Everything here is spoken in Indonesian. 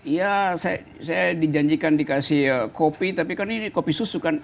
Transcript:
ya saya dijanjikan dikasih kopi tapi kan ini kopi susu kan